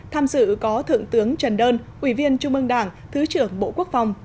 tham dự có thượng tướng trần đơn ủy viên trung ương đảng thứ trưởng bộ quốc phòng